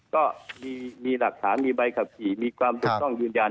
ก็มีหลักฐานมีใบขับขี่มีความถูกต้องยืนยัน